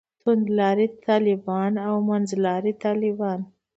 توندلاري طالبان او منځلاري طالبان.